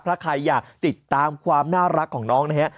ถ้าใครอยากติดตามความน่ารักของน้องนะฮะ